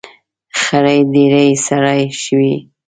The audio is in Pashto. ، خړې ډبرې سرې شوې.